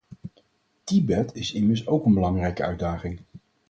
Tibet is immers ook een belangrijke uitdaging.